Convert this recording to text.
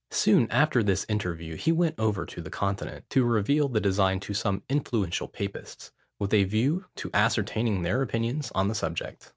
Soon after this interview he went over to the Continent, to reveal the design to some influential papists, with a view to ascertaining their opinions on the subject.